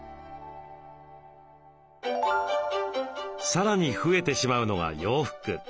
さらに増えてしまうのが洋服。